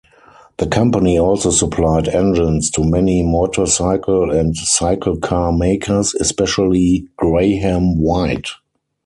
The company also supplied engines to many motorcycle and cyclecar makers, especially Grahame-White.